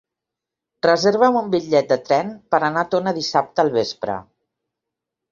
Reserva'm un bitllet de tren per anar a Tona dissabte al vespre.